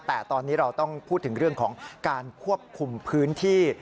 แต่ตอนนี้เราต้องพูดถึงเรื่องของการควบคุมพื้นที่